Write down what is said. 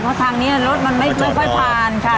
เพราะทางนี้รถมันไม่ค่อยผ่านค่ะ